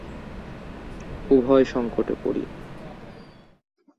উভয় সংকটে পড়ি।